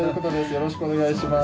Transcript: よろしくお願いします。